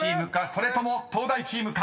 それとも東大チームか］